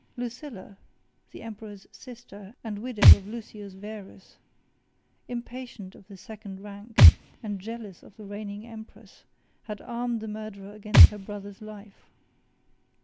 Lucilla, the emperor's sister, and widow of Lucius Verus, impatient of the second rank, and jealous of the reigning empress, had armed the murderer against her brother's life.